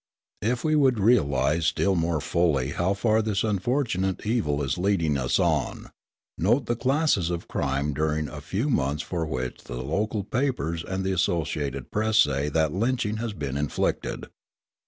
If we would realise still more fully how far this unfortunate evil is leading us on, note the classes of crime during a few months for which the local papers and the Associated Press say that lynching has been inflicted.